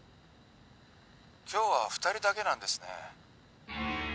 今日は二人だけなんですね